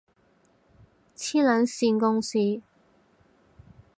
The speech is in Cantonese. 黐撚線公司